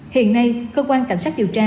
hiện nay cơ quan cảnh sát điều tra